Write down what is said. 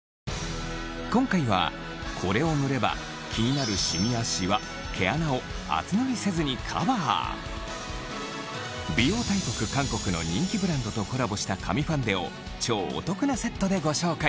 今回はこれを塗れば気になるシミやシワ毛穴を厚塗りせずにカバー美容大国韓国の人気ブランドとコラボした神ファンデをでご紹介